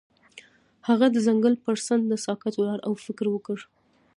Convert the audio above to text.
هغه د ځنګل پر څنډه ساکت ولاړ او فکر وکړ.